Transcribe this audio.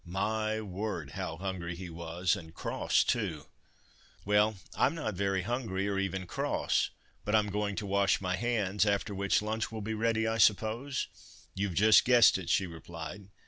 My word! how hungry he was, and cross too!" "Well, I'm not very hungry or even cross—but I'm going to wash my hands, after which lunch will be ready, I suppose?" "You've just guessed it," she replied.